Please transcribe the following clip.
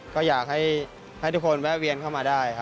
ก็อยากให้ทุกคนแวะเวียนเข้ามาได้ครับ